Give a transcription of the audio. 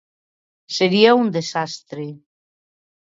Sería un desastre.